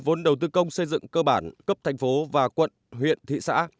vốn đầu tư công xây dựng cơ bản cấp thành phố và quận huyện thị xã